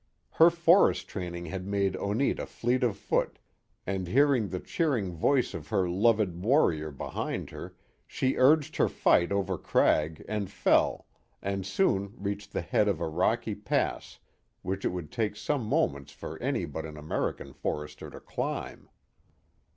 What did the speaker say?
Her forest training had made Oneta fleet of foot, and hearing the cheering voice of her loved warrior behind her, she urged her flight over crag and fell, and soon reached the head of a rocky pass which it would take some moments for any but an American forester to climb.